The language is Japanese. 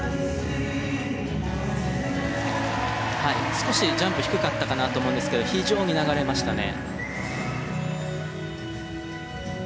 少しジャンプ低かったかなと思うんですけど非常に流れましたね。